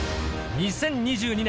２０２２年